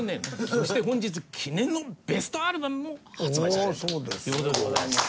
そして本日記念のベストアルバムも発売されるという事でございます。